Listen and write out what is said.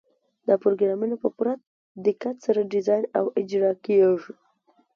دا پروګرامونه په پوره دقت سره ډیزاین او اجرا کیږي.